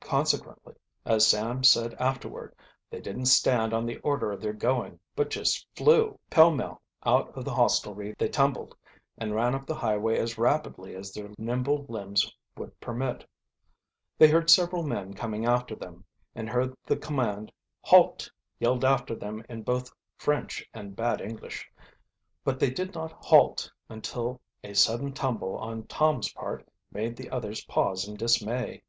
Consequently, as Sam said afterward, "They didn't stand on the order of their going, but just flew." Pell mell out of the hostelry they tumbled, and ran up the highway as rapidly as their nimble limbs would permit. They heard several men coming after them, and heard the command "Halt!" yelled after them in both French and bad English. But they did not halt until a sudden tumble on Tom's part made the others pause in dismay.